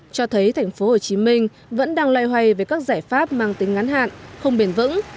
cho thấy tp hcm vẫn đang loay hoay về các giải pháp mang tính ngắn hạn không bền vững